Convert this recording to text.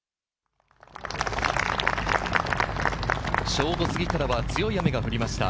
正午過ぎからは強い雨が降りました。